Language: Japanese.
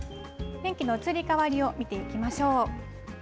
天気の移り変わりを見ていきましょう。